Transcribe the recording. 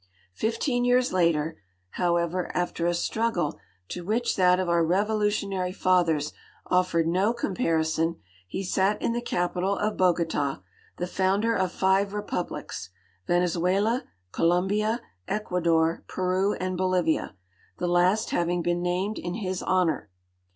Fifteen years later, however, after a struggle to which that of our revolutionary fathers offered no comparison, he sat in the capital of Bogota, the fimnder of five rejmb lics — A'enezuela, Colombia, Ecuador, Peru, and Ihdivia — the last having been named in his honor.